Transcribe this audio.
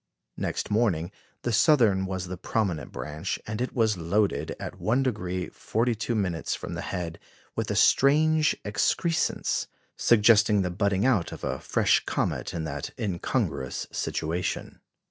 " Next morning the southern was the prominent branch, and it was loaded, at 1° 42' from the head, with a strange excrescence, suggesting the budding out of a fresh comet in that incongruous situation.